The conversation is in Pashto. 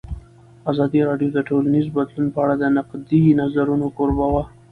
ازادي راډیو د ټولنیز بدلون په اړه د نقدي نظرونو کوربه وه.